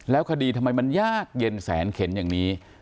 แล้วคดีทำไมมันยากเย็นแสนเข็นอย่างนี้